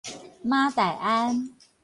馬大安